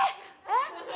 えっ？